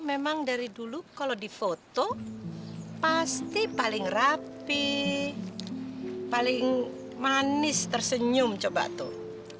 memang dari dulu kalau di foto pasti paling rapi paling manis tersenyum coba tuh